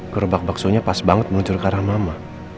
kerobak bakso nya pas banget meluncur ke arah mama